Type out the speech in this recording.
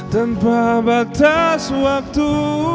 tanpa batas waktu